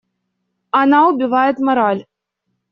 Она убивает мораль.